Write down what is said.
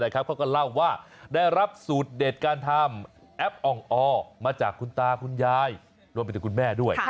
เขาก็เล่าว่าได้รับสูตรเด็ดการทำแอปอ่องออมาจากคุณตาคุณยายรวมไปถึงคุณแม่ด้วย